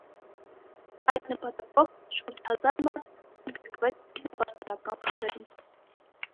Այդ նպատակով շուրջ հազար մարդ ընդգրկվեց ինքնապաշտպանական խմբերում։